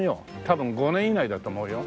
多分５年以内だと思うよ。